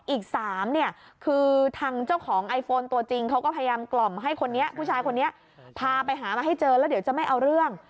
อีก๓เนี่ยคือทางเจ้าของไอโฟนตัวจริงเขาก็พยายามกล่อมให้คนนี้ผู้ชายคนนี้พาไปหามาให้เจอแล้วเดี๋ยวจะไม่เอาเรื่อง